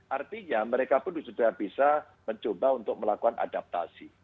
artinya mereka pun sudah bisa mencoba untuk melakukan adaptasi